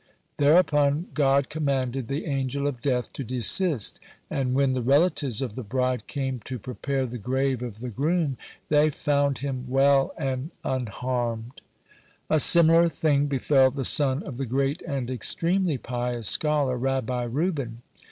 Thereupon God commanded the Angel of Death to desist, and, when the relatives of the bride came to prepare the grave of the groom, they found him well and unharmed. (96) A similar thing befell the son of the great and extremely pious scholar Rabbi Reuben.